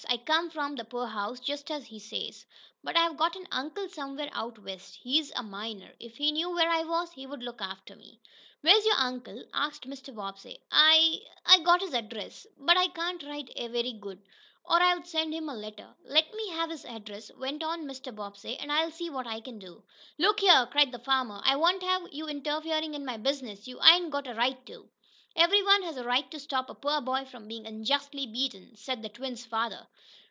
I come from th' poorhouse, just as he says. But I've got an uncle somewhere out west. He's a miner. If he knew where I was, he'd look after me." "Where is your uncle?" asked Mr. Bobbsey. "I I got his address, but I can't write very good, or I'd send him a letter." "Let me have his address," went on Mr. Bobbsey. "And I'll see what I can do." "Look here!" cried the farmer. "I won't have you interferin' in my business! You ain't got a right to!" "Every one has a right to stop a poor boy from being unjustly beaten," said the twins' father.